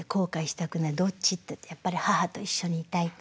どっちっていうとやっぱり母と一緒にいたいと。